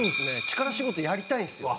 力仕事やりたいんですよ。